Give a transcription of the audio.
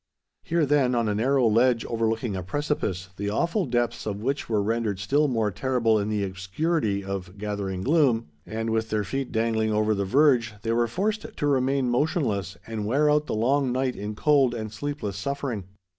Here, then, on a narrow ledge overlooking a precipice, the awful depths of which were rendered still more terrible in the obscurity of gathering gloom, and with their feet dangling over the verge, they were forced to remain motionless, and wear out the long night in cold and sleepless suffering.